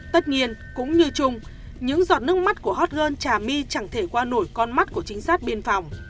tất nhiên cũng như chung những giọt nước mắt của hot girl trà my chẳng thể qua nổi con mắt của chính sát biên phòng